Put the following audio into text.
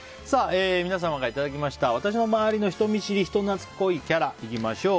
皆様からいただきました私の周りの人見知り・人懐っこいキャラいきましょう。